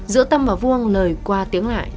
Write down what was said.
giữa tâm và vuông lời qua tiếng lại